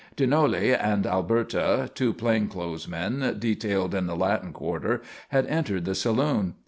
Dinoli and Alberta, two plain clothes men detailed in the Latin quarter, had entered the saloon.